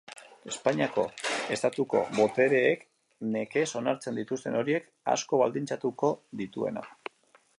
Espainiako Estatuko botereek nekez onartzen dituzten horiek, asko baldintzatuko dituena.